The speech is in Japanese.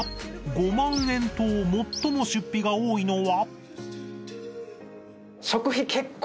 ５万円と最も出費が多いのは？